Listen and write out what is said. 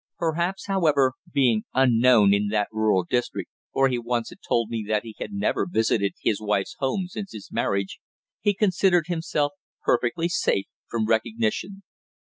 Perhaps, however, being unknown in that rural district for he once had told me that he had never visited his wife's home since his marriage he considered himself perfectly safe from recognition.